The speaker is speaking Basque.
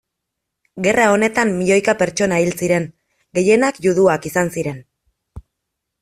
Gerra honetan milioika pertsona hil ziren, gehienak juduak izan ziren.